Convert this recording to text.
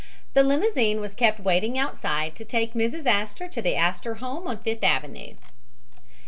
The limousine was kept waiting outside to take Mrs. Astor to the Astor home on Fifth Avenue.